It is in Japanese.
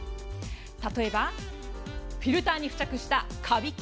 例えばフィルターに付着したカビ菌